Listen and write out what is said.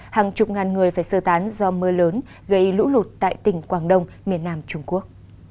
hàng chục ngàn người phải sơ tán do mưa lớn gây lũ lụt tại tỉnh quảng đông miền nam trung quốc